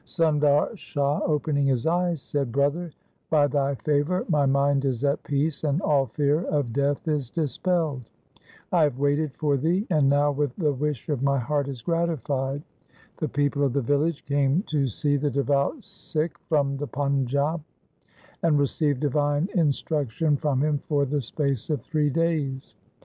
1 Sundar Shah opening his eyes said, ' Brother, by thy favour my mind is at peace and all fear of death is dispelled. I have waited for thee, and now the wish of my heart is gratified.' The people of the village came to see the devout Sikh from the Panjab, and received divine instruction from him for the space of three days.